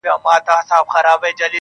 زما ونه له تا غواړي راته~